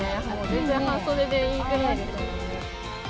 全然半袖でいいぐらいですね。